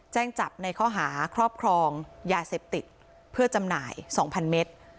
แจ้งจับในข้อหาครอบครองยาเสพติดเพื่อจำหน่าย๒๐๐เมตร